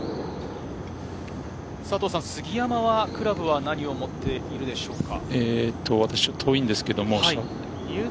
杉山は、クラブは何を持っているでしょうか？